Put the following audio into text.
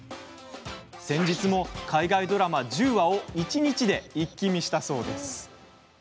先日も海外ドラマ１０話を一日で一気見したそうです。